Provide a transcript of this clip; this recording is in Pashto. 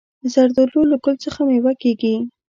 زردالو له ګل څخه مېوه کېږي.